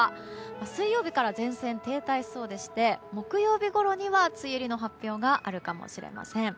水曜日から前線が停滞しそうで木曜日ごろには梅雨入りの発表があるかもしれません。